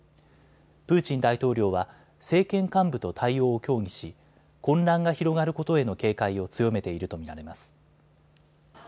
プーチン大統領は政権幹部と対応を協議し混乱が広がることへの警戒を強めていると見られます。